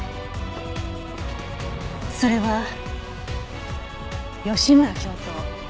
それは吉村教頭